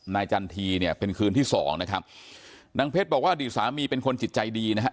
จันทีเนี่ยเป็นคืนที่สองนะครับนางเพชรบอกว่าอดีตสามีเป็นคนจิตใจดีนะฮะ